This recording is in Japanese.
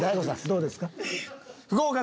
どうですか？